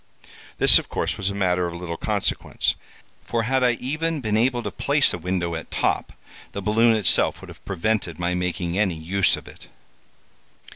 This, of course, was a matter of little consequence; for had I even been able to place a window at top, the balloon itself would have prevented my making any use of it.